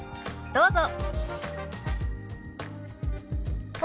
どうぞ。